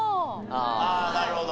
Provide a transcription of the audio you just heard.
ああなるほど。